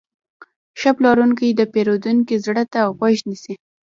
ښه پلورونکی د پیرودونکي زړه ته غوږ نیسي.